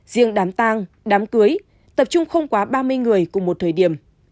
riêng đám tang đám cưới tập trung không quá ba mươi người cùng một thời điểm